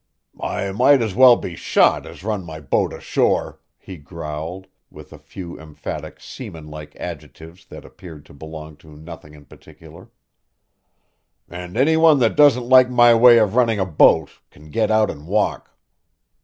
"I might as well be shot as run my boat ashore," he growled, with a few emphatic seamanlike adjectives that appeared to belong to nothing in particular. "And any one that doesn't like my way of running a boat can get out and walk."